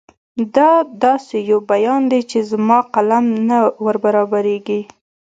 دا داسې یو بیان دی چې زما قلم نه وربرابرېږي.